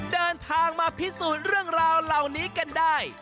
เดินทางมาพิสูจน์เรื่องราวเหล่านี้กันได้